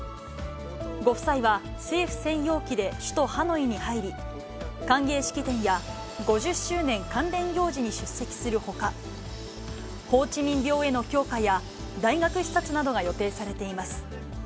ご夫妻は、政府専用機で首都ハノイに入り、歓迎式典や、５０周年関連行事に出席するほか、ホーチミンびょうへの供花や、大学視察などが予定されています。